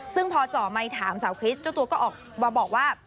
ซึ่งพอเจาะไมค์ถามสาวคริสต์เจ้าตัวก็ออกมาบอกว่า